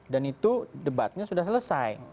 dan itu debatnya sudah selesai